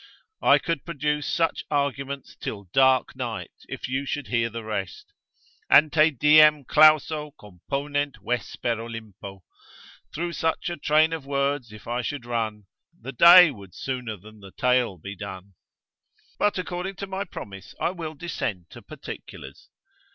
I could produce such arguments till dark night: if you should hear the rest, Ante diem clauso component vesper Olimpo: Through such a train of words if I should run, The day would sooner than the tale be done: but according to my promise, I will descend to particulars.